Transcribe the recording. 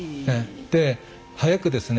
早くですね